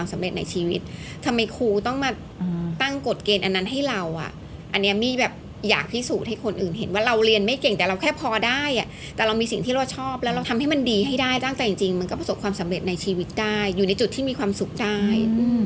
ถ้าพอได้แต่เรามีสิ่งที่เราชอบแล้วเราทำให้มันดีให้ได้ตั้งแต่จริงมันก็ประสบความสำเร็จในชีวิตได้อยู่ในจุดที่มีความสุขได้